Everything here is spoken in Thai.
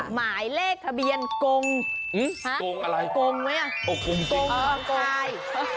หมายเลขทะเบียนกงอะไรกงไหมอ่ะกงอังกลาย